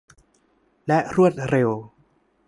และรวดเร็ว